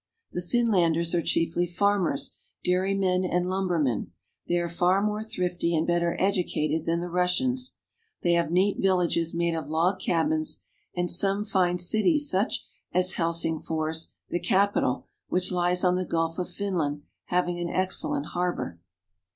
The Finlanders are chiefly farmers, dairymen, and lum bermen. They are far more thrifty and better educated than the Russians. They have neat villages made of log cabins, and some fine cities such as Helsingfors, the capital, which lies on the Gulf of Finland, having an excellent harbor.